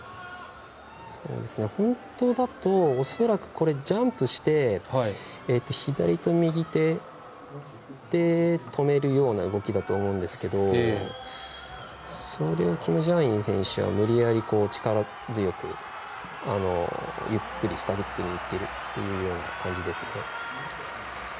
本当だと恐らくジャンプして左手と右手で止めるような動きだと思うんですがそれをキム・ジャイン選手は無理やり強くゆっくりスタートするというスタイルですね。